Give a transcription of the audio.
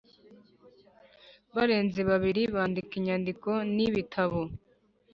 barenze babiri bandika inyandiko n ibitabo